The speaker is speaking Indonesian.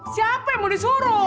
siapa yang mau disuruh